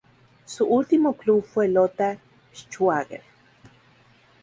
Su último club fue Lota Schwager.